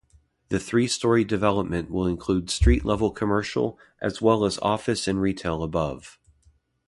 The three-storey development will include street-level commercial, as well as office and retail above.